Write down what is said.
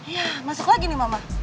iya masuk lagi nih mama